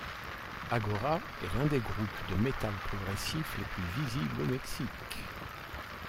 Agora est l'un des groupes de metal progressif les plus visibles au Mexique.